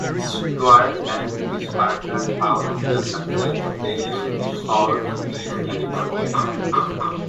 Stewart and his partner found the success they sought in California.